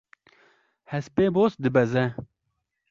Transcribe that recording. Hespê boz dibeze.